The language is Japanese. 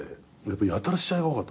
やたら試合が多かった。